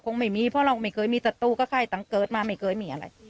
คงไม่มีเพราะเราไม่เคยมีศัตรูกับไข้ตั้งเกิดมาไม่เคยมีอะไร